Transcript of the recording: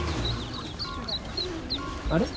あれ？